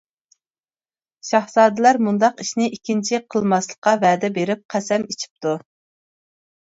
شاھزادىلەر مۇنداق ئىشنى ئىككىنچى قىلماسلىققا ۋەدە بېرىپ، قەسەم ئىچىپتۇ.